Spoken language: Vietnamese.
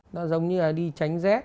nó giống như là đi tránh rét